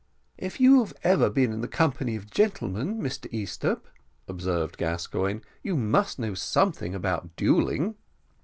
"If you have ever been in the company of gentlemen, Mr Easthupp," observed Gascoigne, "you must know something about duelling."